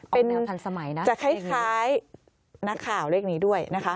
เป็นจะคล้ายนักข่าวเลขนี้ด้วยนะคะ